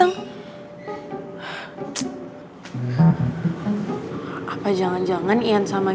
kalo udah berhubungan sama papa